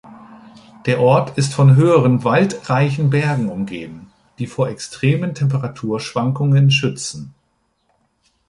Der Ort ist von höheren waldreichen Bergen umgeben, die vor extremen Temperaturschwankungen schützen.